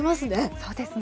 そうですね。